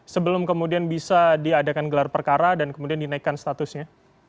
sebelum kemudian bisa diadakan gelar perkara dan kemudian dinaikkan statusnya